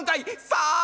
「さあ？